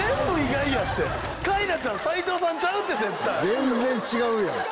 全然違うやん。